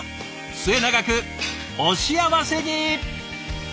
末永くお幸せに！